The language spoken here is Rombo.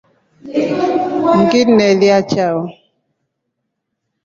Nginielya chao.